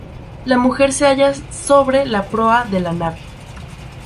La mujer se halla sobre la proa de la nave.